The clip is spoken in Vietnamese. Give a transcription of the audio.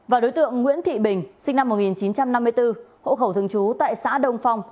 và đối tượng nguyễn thị bình sinh năm một nghìn chín trăm năm mươi bốn hộ khẩu thường trú tại xã đông phong